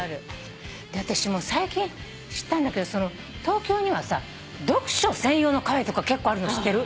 私最近知ったんだけど東京には読書専用のカフェとか結構あるの知ってる？